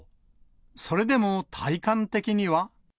それでも体感的には。